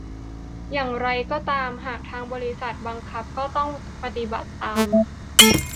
อย่างไรก็ตาม หากทางบริษัทบังคับก็ต้องปฏิบัติตาม